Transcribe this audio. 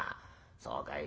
そうかい。